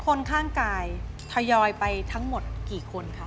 คนข้างกายทยอยไปทั้งหมดกี่คนค่ะ